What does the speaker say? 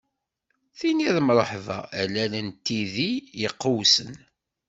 Tiniḍ mreḥba, a lal n tiddi iqewsen.